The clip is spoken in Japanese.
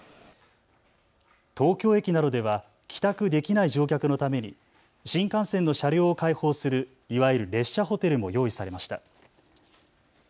東京駅などでは帰宅できない乗客のために新幹線の車両を開放するいわゆる列車ホテルも用意されました。